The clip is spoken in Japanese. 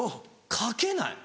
書けない。